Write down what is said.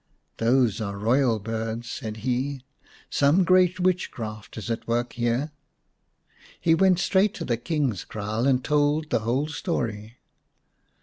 " Those are royal birds," said he ;" some great witchcraft is at work here." He went straight to the King's kraal and told the whole story.